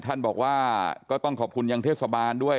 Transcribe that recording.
ท่านบอกว่าก็ต้องขอบคุณยังเทศบาลด้วย